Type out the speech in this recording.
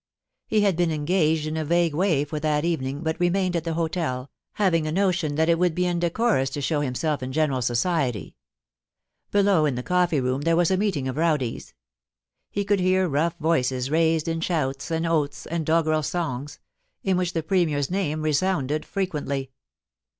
He had been engaged in a vague way for that evening, but remained at the hotel, having a notion that it would be indecorous to show himself in general society. Below in the coflee room there was a meeting of rowdies. He could hear rough voices raised in shouts and oaths and doggrel songs, in which the Premier's name resounded frequently.